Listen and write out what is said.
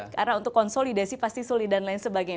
karena untuk konsolidasi pasti sulit dan lain sebagainya